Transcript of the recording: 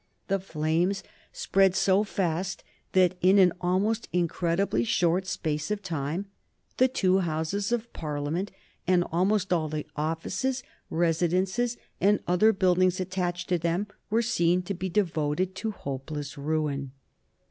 The flames spread so fast that in an almost incredibly short space of time the two Houses of Parliament, and almost all the offices, residences, and other buildings attached to them, were seen to be devoted to hopeless ruin.